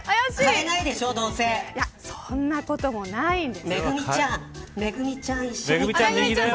そんなこともないんです。